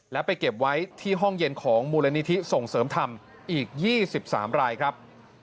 และไปเก็บไว้ที่ห้องเย็นของมูลนิธิส่งเสริมธรรมอีก๒๓รายครับ